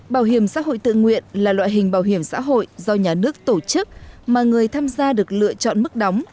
bảo hiểm xã hội tự nguyện là loại hình bảo hiểm xã hội do nhà nước tổ chức mà người tham gia được lựa chọn mức đóng